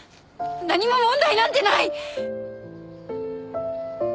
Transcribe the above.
何も問題なんてない！